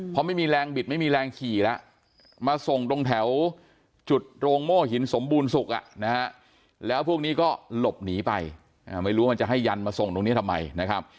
เพราะไม่มีแรงบิดไม่มีแรงขี่แล้วมาส่งตรงแถวจุดโรงโม่หินสมบูรณสุขแล้วพวกนี้ก็หลบหนีไปไม่รู้ว่ามันจะให้ยันมาส่งตรงนี้ทำไมนะครับ